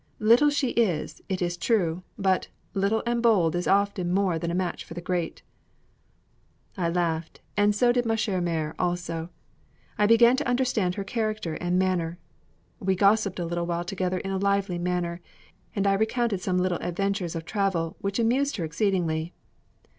Little she is, it is true; but 'Little and bold is often more than a match for the great.'" I laughed, so did ma chère mère also; I began to understand her character and manner. We gossiped a little while together in a lively manner, and I recounted some little adventures of travel, which amused her exceedingly.